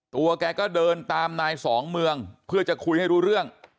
แกก็เดินตามนายสองเมืองเพื่อจะคุยให้รู้เรื่อง